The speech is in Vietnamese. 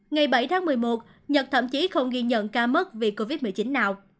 ngày bảy tháng một mươi một nhật thậm chí không ghi nhận ca mắc vì covid một mươi chín nào